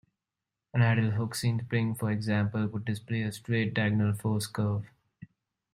An ideal Hookean spring, for example, would display a straight diagonal force curve.